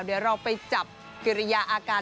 เดี๋ยวเราไปจับกิริยาอาการ